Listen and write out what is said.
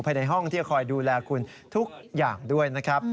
ภายในห้องที่จะคอยดูแลคุณทุกอย่างด้วยนะครับ